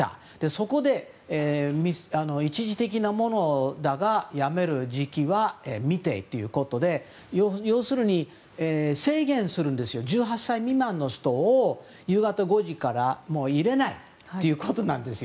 そこで、一時的なものだがやめる時期は未定ということで要するに、制限するんですよ１８歳未満の人を夕方５時からは、もう入れないということなんです。